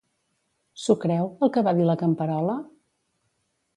S'ho creu, el que va dir la camperola?